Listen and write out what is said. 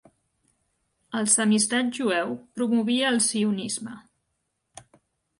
El samizdat jueu promovia el sionisme.